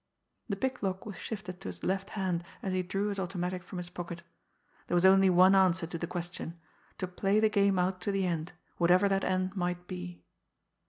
The picklock was shifted to his left hand, as he drew his automatic from his pocket. There was only one answer to the question to play the game out to the end, whatever that end might be!